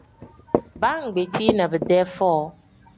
Baa ngbetii na bidee foo.